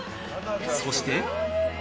そして。